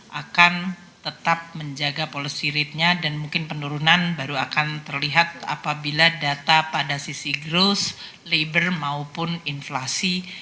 dan nampaknya federal reserve akan tetap menjaga policy ratenya dan mungkin penurunan baru akan terlihat apabila data pada sisi gross labor maupun inflasi